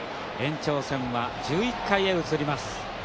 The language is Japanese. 延長戦は１１回へ移ります。